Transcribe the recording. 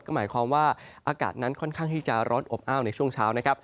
ก็หมายความว่าอากาศนั้นค่อนข้างที่จะร้อนอบอ้าวในช่วงเช้านะครับ